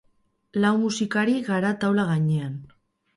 Lau musikari gara taula gainean.